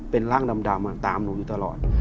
เป็นร่างดำตามหนูอยู่ตลอด